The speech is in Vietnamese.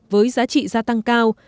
với giá trị gia tăng cao